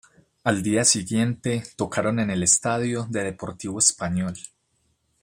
Al día siguiente tocaron en el estadio de Deportivo Español.